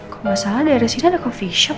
kok masalah di area sini ada coffee shop